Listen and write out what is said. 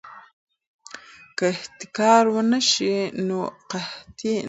که احتکار ونه شي نو قحطي نه راځي.